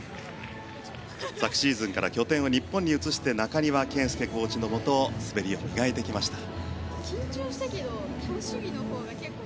昨シーズンから拠点を日本に移して中庭健介コーチのもと磨いてきました。